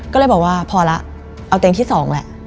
ก็เลยบอกว่าพอแล้วเอาเตียงที่๒แหละ